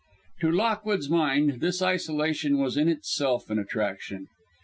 To Lockwood's mind this isolation was in itself an attraction.